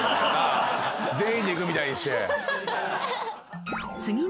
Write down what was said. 全員で行くみたいにして。